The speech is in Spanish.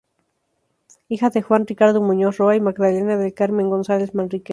Hija de Juan Ricardo Muñoz Roa y Magdalena del Carmen González Manríquez.